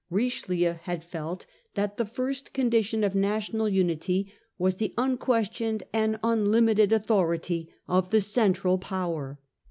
Richelieu had felt that the first condition Richelieu °f national unity was the unquestioned nnd determines unlimited authority of the central power.